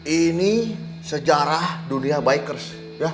ini sejarah dunia bikers